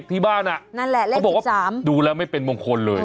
ที่บ้านอ่ะนั่นแหละเขาบอกว่าดูแล้วไม่เป็นมงคลเลย